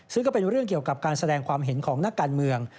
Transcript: ซึ่งก็เป็นเรื่องเกี่ยวกับการแสดงความเห็นของนักการเมือง